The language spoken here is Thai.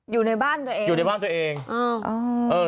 อยู่ในบ้านตัวเองอยู่ในบ้านตัวเองอ่าเออ